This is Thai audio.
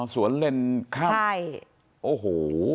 อ๋อสวนเล็นข้าง